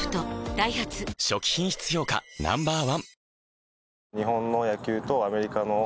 ダイハツ初期品質評価Ｎｏ．１